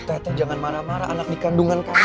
tete jangan marah marah anak dikandungan kamu